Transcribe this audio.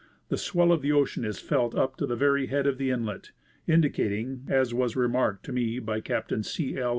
The swell of the ocean is felt up to the very head of the inlet, indi cating, as was remarked to me by Captain C. L.